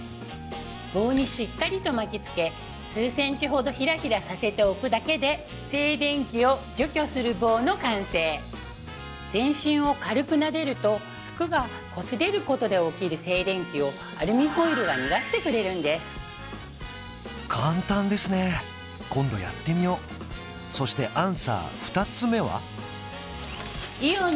棒にしっかりと巻きつけ数センチほどヒラヒラさせておくだけで静電気を除去する棒の完成全身を軽くなでると服がこすれることで起きる静電気をアルミホイルが逃がしてくれるんです簡単ですね今度やってみようそしてアンサー二つ目は？